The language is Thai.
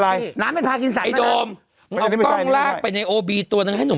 ไรน้ำไม่พากินสายดมเอากล้องรากไปในโอบีตัวนั้นให้หนู